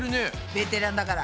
ベテランだから。